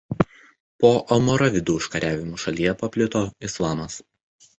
Po almoravidų užkariavimų šalyje paplito islamas.